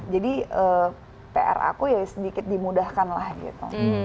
jadi pr aku ya sedikit dimudahkan lah gitu